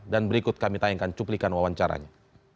berikut kami tayangkan cuplikan wawancaranya